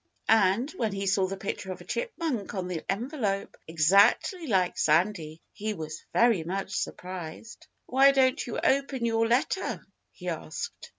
And when he saw the picture of a chipmunk on the envelope, exactly like Sandy, he was very much surprised. "Why don't you open your letter?" he asked.